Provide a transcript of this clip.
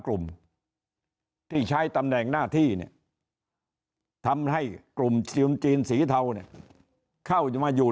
กลุ่มที่ใช้ตำแหน่งหน้าที่ทำให้คนจริงสีเทาค่าอยู่ไม่อยู่